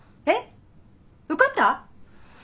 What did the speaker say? えっ受かった？